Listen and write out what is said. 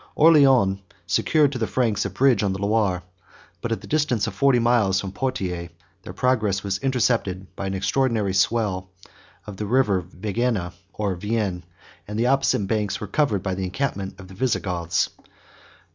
51 Orleans secured to the Franks a bridge on the Loire; but, at the distance of forty miles from Poitiers, their progress was intercepted by an extraordinary swell of the River Vigenna or Vienne; and the opposite banks were covered by the encampment of the Visigoths.